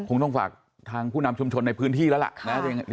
คงต้องฝากทางผู้นำชุมชนในพื้นที่แล้วล่ะนะ